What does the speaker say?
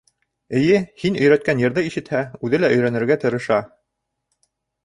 — Эйе, һин өйрәткән йырҙы ишетһә, үҙе лә өйрәнергә тырыша...